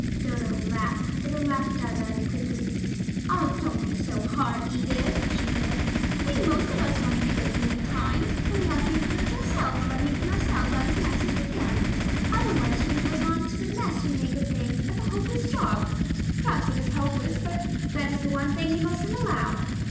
Dodo laughed, but her laugh died rather quickly. "Ah, don't be hard, Edith," she said. "We most of us want encouragement at times, and we have to encourage ourselves by making ourselves out as nice as we can. Otherwise we should look on the mess we make of things as a hopeless job. Perhaps it is hopeless but that is the one thing we mustn't allow.